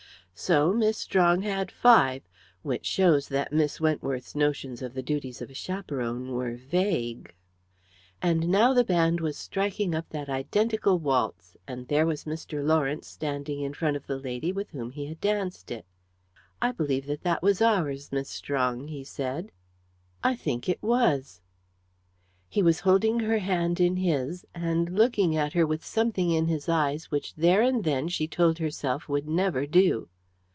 So Miss Strong had five which shows that Miss Wentworth's notions of the duties of a chaperon were vague. And now the band was striking up that identical waltz; and there was Mr. Lawrence standing in front of the lady with whom he had danced it. "I believe that that was ours, Miss Strong," he said. "I think it was." He was holding her hand in his, and looking at her with something in his eyes which there and then she told herself would never do.